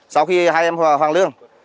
sau khi hai em hoàng lương